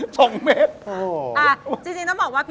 ช่วง๒เมตรไง